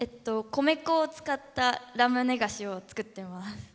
米粉を使ったラムネ菓子を作ってます。